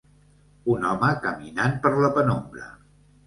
Un home caminant per la penombra.